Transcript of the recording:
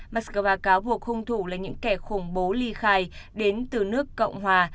moscow cáo buộc hung thủ là những kẻ khủng bố ly khai đến từ nước cộng hòa